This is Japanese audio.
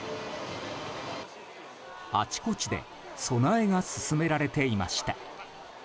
あちこちで備えが進められていました。